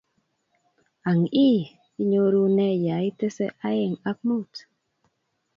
Ang ii! I nyoru ne yaetese aeng ak mut?